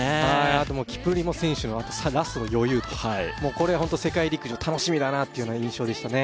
あとキプリモ選手のラストの余裕とこれホント世界陸上楽しみだなという印象でしたね